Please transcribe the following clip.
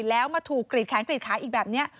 แล้วมาถูกกรีดแขนกรีดขาอีกแบบนี้